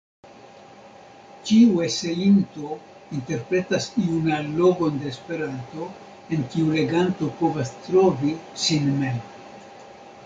Ĉiu eseinto interpretas iun allogon de Esperanto, en kiu leganto povas trovi sin mem.